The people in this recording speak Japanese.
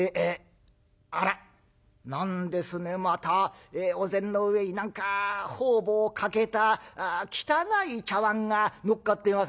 あら何ですねまたお膳の上に何か方々欠けた汚い茶碗がのっかってます」。